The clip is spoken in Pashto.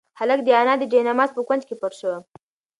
هلک د انا د جاینماز په کونج کې پټ شو.